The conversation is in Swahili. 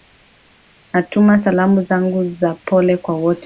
natuma salamu zangu za pole kwa wote